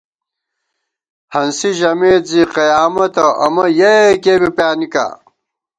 ہنسی ژَمېت زِی قیامَتہ امہ یَہ یَکِیہ بی پیانِکا